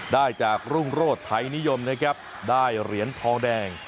ได้จากรุ่งโรธไทยนิยมนะครับได้เหรียญทองแดง